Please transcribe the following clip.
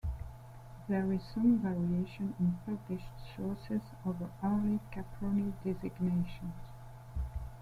There is some variation in published sources over early Caproni designations.